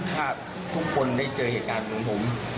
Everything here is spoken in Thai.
ถ้าทุกคนได้เจอเหตุงานเหมือนผม